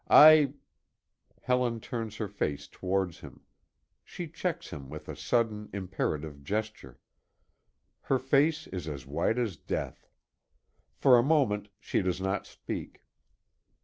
I " Helen turns her face towards him. She checks him with a sudden, imperative gesture. Her face is as white as death. For a moment she does not speak.